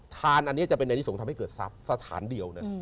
ทานอันนี้จะเป็นที่ส่งไปทำให้เกิดสรรพสถานเดียว